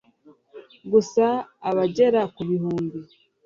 gusa abagera ku bihumbi